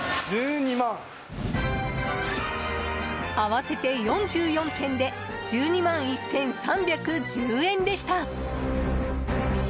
合わせて４４点で１２万１３１０円でした。